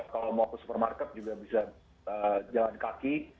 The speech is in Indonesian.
kalau mau ke supermarket juga bisa jalan kaki